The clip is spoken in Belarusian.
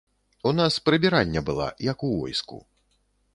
У нас прыбіральня была, як у войску.